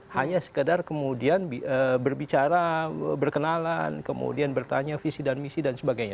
hanya sekedar kemudian berbicara berkenalan kemudian bertanya visi dan misi dan sebagainya